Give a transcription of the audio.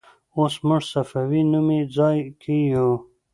اوس موږ صفوي نومې ځای کې یو.